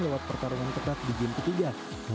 lewat pertarungan ketat di game ketiga